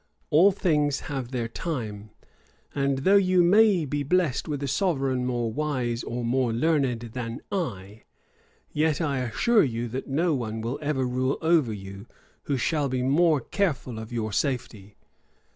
All things have their time; and though you maybe blessed with a sovereign more wise or more learned than I, yet I assure you that no one will ever rule over you who shall be more careful of your safety.